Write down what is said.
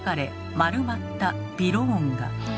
丸まったびろーんが。